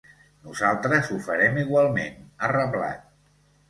Nosaltres ho farem igualment, ha reblat.